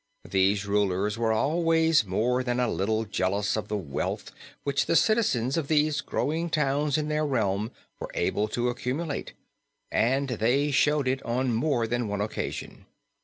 These rulers were always more than a little jealous of the wealth which the citizens of these growing towns in their realm were able to accumulate, and they showed it on more than one occasion.